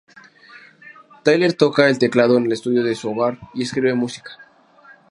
Tyler toca el teclado en el estudio de su hogar y escribe música.